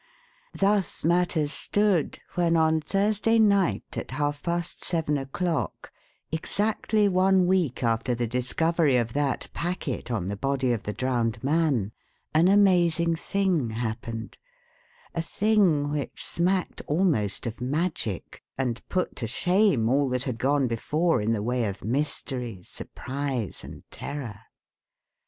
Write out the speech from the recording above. Thus matters stood when on Thursday night at half past seven o'clock exactly one week after the discovery of that packet on the body of the drowned man an amazing thing happened, a thing which smacked almost of magic, and put to shame all that had gone before in the way of mystery, surprise, and terror.